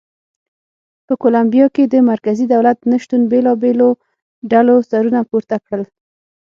په کولمبیا کې د مرکزي دولت نه شتون بېلابېلو ډلو سرونه پورته کړل.